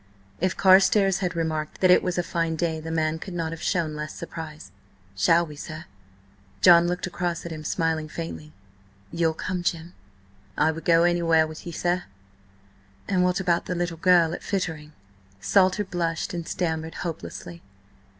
If Carstares had remarked that it was a fine day the man could not have shown less surprise. "Shall we, sir?" John looked across at him, smiling faintly. "You'll come, Jim?" "I would go anywhere with ye, sir." "And what about that little girl at Fittering?" Salter blushed and stammered hopelessly.